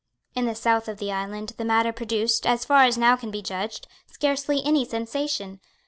In the south of the island the matter produced, as far as can now be judged, scarcely any sensation.